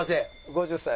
５０歳？